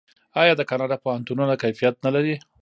آیا د کاناډا پوهنتونونه کیفیت نلري؟